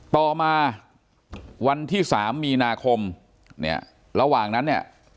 ต่อมาวันที่๓มีนาคมเนี่ยระหว่างนั้นเนี่ย